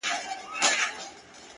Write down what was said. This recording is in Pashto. دا به چيري خيرن سي،